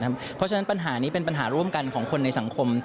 เพราะฉะนั้นปัญหานี้เป็นปัญหาร่วมกันของคนในสังคม